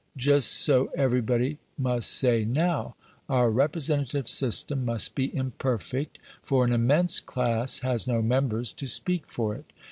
Just so everybody must say now, "Our representative system must be imperfect, for an immense class has no members to speak for it".